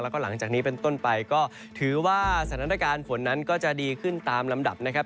แล้วก็หลังจากนี้เป็นต้นไปก็ถือว่าสถานการณ์ฝนนั้นก็จะดีขึ้นตามลำดับนะครับ